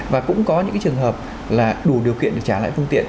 và cũng có những trường hợp là đủ điều kiện để trả lại phương tiện